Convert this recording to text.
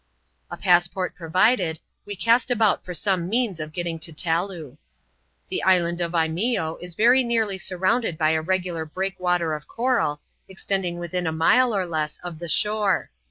A passport provided, we cast about for some means of getting to Taloo. The island of Imeeo is very nearly surrounded by a regular brealcwater of coral, extending within a mile or less of the shore.